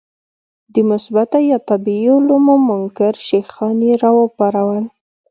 د مثبته یا طبیعي علومو منکر شیخان یې راوپارول.